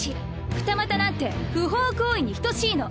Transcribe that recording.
二股なんて不法行為に等しいの。